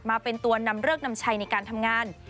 มาเป็นตัวนำเริกนำชัยในการทำงาน